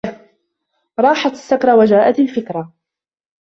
راحت السكرة وجاءت الفكرة